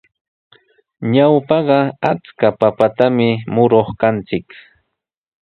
Ñawpaqa achka papatami muruq kanchik.